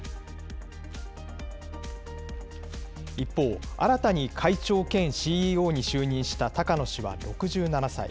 一方、新たに会長兼ＣＥＯに就任した高野氏は６７歳。